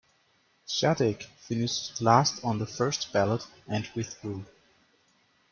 Shadegg finished last on the first ballot and withdrew.